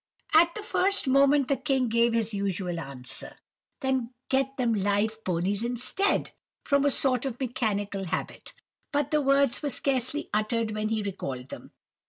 "At the first moment the king gave his usual answer, 'Then get them live ponies instead,' from a sort of mechanical habit, but the words were scarcely uttered when he recalled them.